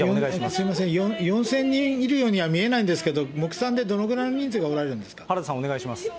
すみません、４０００人いるようには見えないんですけど、目算でどのぐらいの人数おられるんですか。